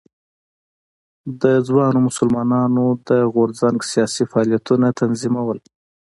د ځوانو مسلمانانو د غورځنګ سیاسي فعالیتونه تنظیمول.